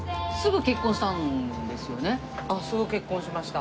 すぐ結婚しました。